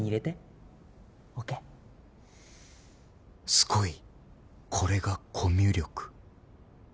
すごいこれがコミュ力